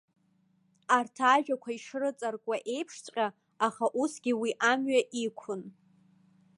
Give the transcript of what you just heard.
Арҭ ажәақәа ишрыҵаркуа еиԥшҵәҟьа, аха усгьы уи амҩа иқәын.